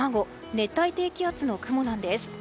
熱帯低気圧の雲なんです。